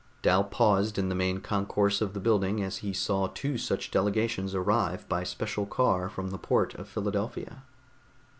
Dal paused in the main concourse of the building as he saw two such delegations arrive by special car from the port of Philadelphia.